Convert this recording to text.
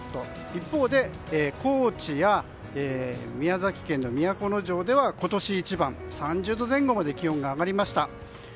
一方で高知や宮崎県の都城では今年一番３０度前後まで気温が上がりました。